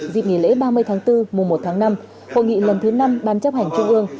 dịp nghỉ lễ ba mươi tháng bốn mùa một tháng năm hội nghị lần thứ năm ban chấp hành trung ương